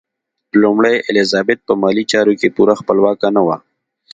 لومړۍ الیزابت په مالي چارو کې پوره خپلواکه نه وه.